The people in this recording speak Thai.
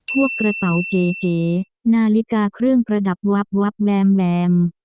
กระเป๋าเก๋นาฬิกาเครื่องประดับวับแหลม